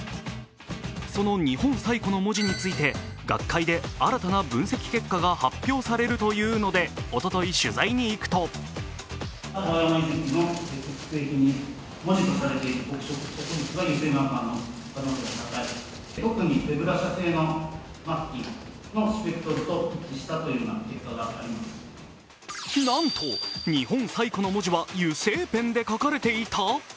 その日本最古の文字について学会で新たな分析結果が発表されるというのでおととい取材に行くとなんと日本最古の文字は油性ペンで書かれていた？